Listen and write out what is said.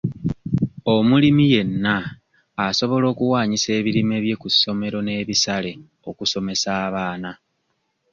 Omulimi yenna asobola okuwaanyisa ebirime bye ku ssomero n'ebisale okusomesa abaana.